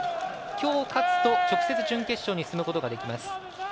きょう勝つと、直接準決勝に進むことができます。